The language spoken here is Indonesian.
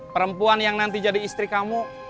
perempuan yang nanti jadi istri kamu